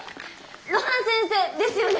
露伴先生ですよね。